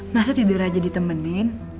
masa tidur aja ditemenin